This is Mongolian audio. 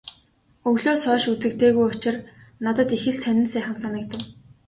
Өвлөөс хойш үзэгдээгүй учир надад их л сонин сайхан санагдав.